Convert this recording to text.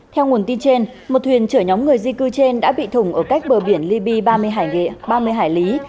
theo nguồn tin trên một thuyền chở nhóm người di cư trên đã bị thủng ở cách bờ biển libi ba mươi hải lý